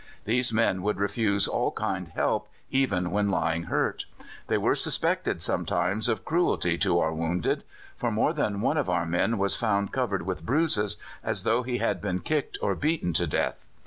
These men would refuse all kind help even when lying hurt. They were suspected sometimes of cruelty to our wounded; for more than one of our men was found covered with bruises, as though he had been kicked or beaten to death.